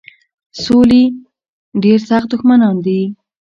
سولي ډېر سخت دښمنان دي.